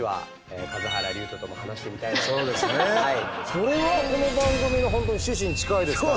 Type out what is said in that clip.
それはこの番組の本当に趣旨に近いですからね。